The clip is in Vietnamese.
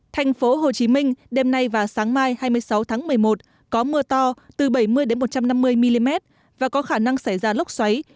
thành phố hồ chí minh đêm nay và sáng mai hai mươi sáu tháng một mươi một có mưa to từ bảy mươi một trăm năm mươi mm và có khả năng xảy ra lốc xoáy